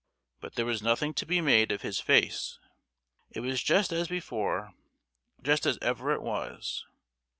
But there was nothing to be made of his face; it was just as before—just as ever it was!